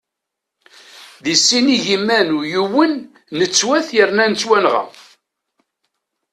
Di sin igiman u yiwen nettwet yerna nettwanɣa.